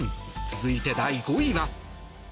続いて、第５位は。